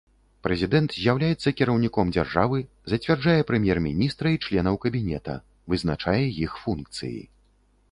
Прэзідэнт з'яўляецца кіраўніком дзяржавы, зацвярджае прэм'ер-міністра і членаў кабінета, вызначае іх функцыі.